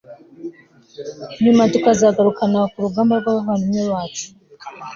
nyuma tukazagarukana ku rugamba n'abavandimwe bacu